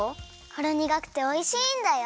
ほろにがくておいしいんだよ。